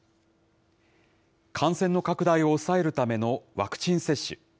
感染の拡大を抑えるためのワクチン接種。